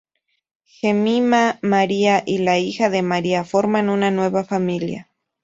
Jemima, María y la hija de María forman una nueva familia.